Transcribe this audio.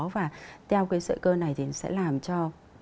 và theo cái sợi cơ này thì sẽ làm cho